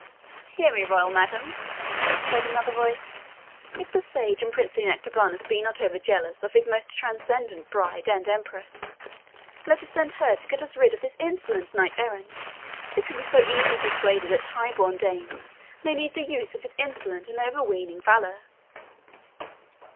"Hear me, royal madam," said another voice. "If the sage and princely Nectabanus be not over jealous of his most transcendent bride and empress, let us send her to get us rid of this insolent knight errant, who can be so easily persuaded that high born dames may need the use of his insolent and overweening valour."